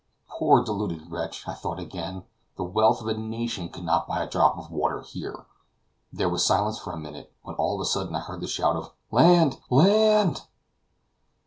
Poor deluded wretch! I thought again; the wealth of a nation could not buy a drop of water here. There was silence for a minute, when all of a sudden I heard the shout of "Land! land!"